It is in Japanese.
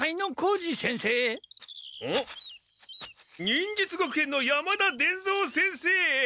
忍術学園の山田伝蔵先生！